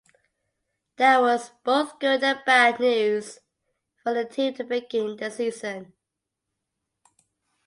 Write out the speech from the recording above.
There was both good and bad news for the team to begin the season.